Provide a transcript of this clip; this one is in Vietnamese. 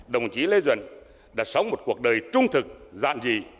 đồng chí lê duẩn đã sống một cuộc đời trung thực dạn dị